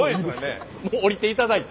もう降りていただいて。